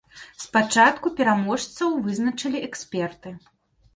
Спачатку пераможцаў вызначалі эксперты.